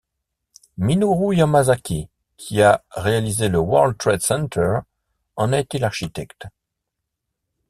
Minoru Yamasaki, qui a réalisé le World Trade Center, en a été l'architecte.